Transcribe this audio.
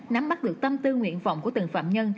nắm bắt được tâm tư nguyện vọng của từng phạm nhân